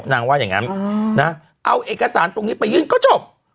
นางว่าอย่างนั้นนะเอาเอกสารตรงนี้ไปยื่นก็จบ